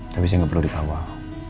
tapi saya nggak perlu dikawal